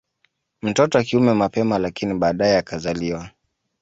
Mtoto wa kiume mapema lakini baadae akazaliwa